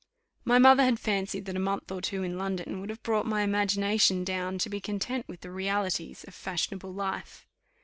My mother had fancied that a month or two in London would have brought my imagination down to be content with the realities of fashionable life.